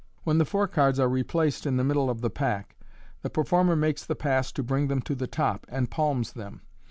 When the four cards are replaced in the middle of the pack, the per former makes the pass to bring them to the top, and palms them.